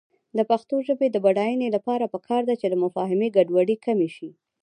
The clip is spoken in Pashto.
د پښتو ژبې د بډاینې لپاره پکار ده چې مفاهمې ګډوډي کمې شي.